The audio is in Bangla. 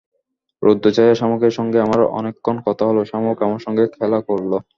রৌদ্রছায়ায় শামুকের সঙ্গে আমার অনেকক্ষণ কথা হলো, শামুক আমার সঙ্গে খেলা করল।